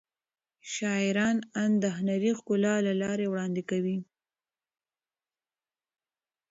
شاعران اند د هنري ښکلا له لارې وړاندې کوي.